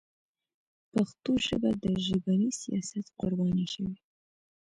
پښتو ژبه د ژبني سیاست قرباني شوې.